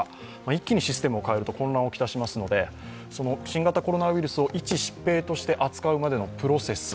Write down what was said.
一気にシステムを変えると混乱を来しますのでその新型コロナウイルスをいち疾病として扱うまでのプロセス